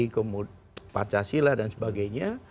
kemudian pancasila dan sebagainya